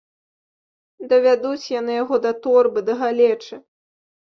Давядуць яны яго да торбы, да галечы.